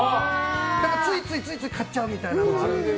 だからついつい買っちゃうみたいなところがあるんです。